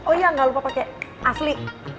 oh iya gak lupa pake asli